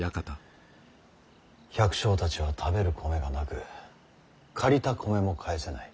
百姓たちは食べる米がなく借りた米も返せない。